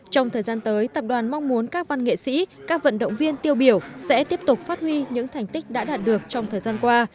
trong thời gian tới tập đoàn mong muốn các văn nghệ sĩ các vận động viên tiêu biểu sẽ tiếp tục phát huy những thành tích đã đạt được trong thời gian qua